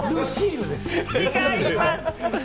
違います。